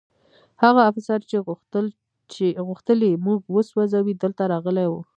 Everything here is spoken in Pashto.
هغه افسر چې غوښتل یې موږ وسوځوي دلته راغلی و